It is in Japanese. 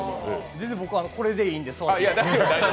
全然僕、これでいいんです